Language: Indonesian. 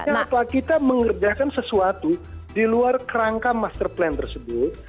artinya apa kita mengerjakan sesuatu di luar kerangka master plan tersebut